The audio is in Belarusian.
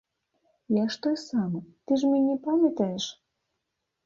Я ж той самы, ты ж мяне памятаеш?